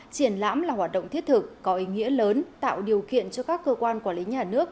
triển lãm là hoạt động thiết thực có ý nghĩa lớn tạo điều kiện cho các cơ quan quản lý nhà nước